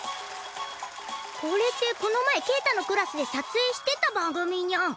これってこの前ケータのクラスで撮影してた番組ニャン。